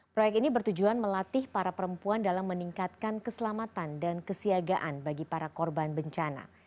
proyek ini bertujuan melatih para perempuan dalam meningkatkan keselamatan dan kesiagaan bagi para korban bencana